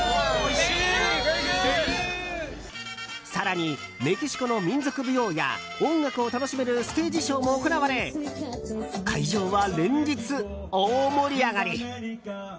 更に、メキシコの民族舞踊や音楽を楽しめるステージショーも行われ会場は連日大盛り上がり！